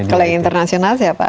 kalau yang internasional siapa